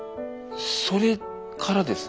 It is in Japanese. それからですね。